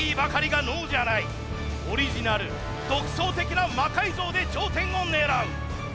オリジナル独創的な魔改造で頂点を狙う。